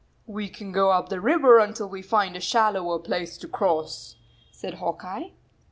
"We can go up the river until we find a shallower place to cross," said Hawk Eye.